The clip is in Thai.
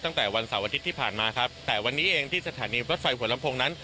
ตั้งแต่วันเสาร์อาทิตย์ที่ผ่านมาครับแต่วันนี้เองที่สถานีรถไฟหัวลำโพงนั้น